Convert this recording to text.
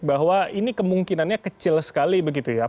bahwa ini kemungkinannya kecil sekali begitu ya